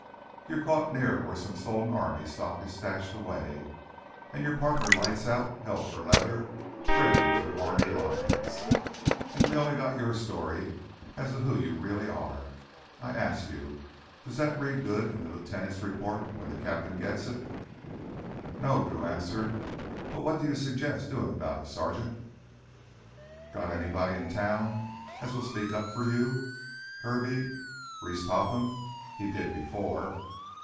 You're caught near where some stolen army stock is stashed away, an' your partner lights out hell for leather, breaking through army lines. An' we only got your story as to who you really are. I ask you—does that read good in the lieutenant's report when th' cap'n gets it?" "No," Drew answered. "But what do you suggest doin' about it, Sergeant?" "Got anybody in town as will speak up for you, Kirby? Reese Topham? He did before."